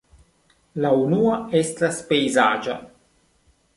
La unua estis pejzaĝa.